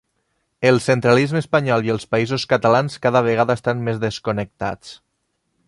El centralisme espanyol i els Països Catalans cada vegada estan més desconnectats